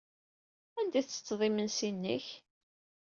Anda ay tettetteḍ imensi-nnek?